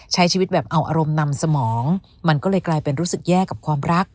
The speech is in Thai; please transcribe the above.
ใช้ชีวิตแบบเอาอารมณ์นำสมองมันก็เลยกลายเป็นรู้สึกแย่กับความรัก